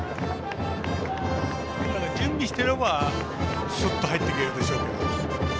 準備してればスッと入っていけるでしょうけど。